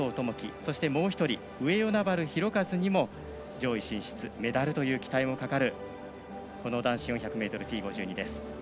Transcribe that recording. そして、もう１人上与那原寛和にも上位進出メダルという期待のかかるこの男子４００ｍＴ５２です。